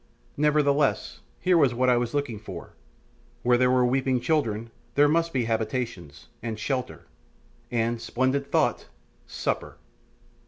Nevertheless, here was what I was looking for; where there were weeping children there must be habitations, and shelter, and splendid thought! supper.